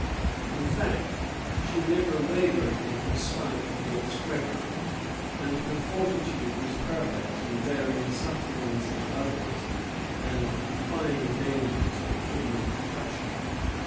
In fact she never wavered in her spite against Frederic, and her fortitude was perfect in bearing the sufferings of others and defying dangers that could not touch her.